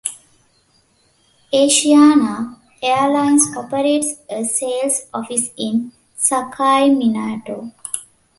Asiana Airlines operates a sales office in Sakaiminato.